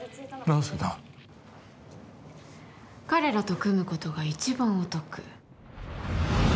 なぜだ彼らと組むことが一番お得